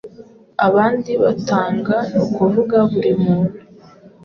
abandi batanga ni ukuvugaburi muntu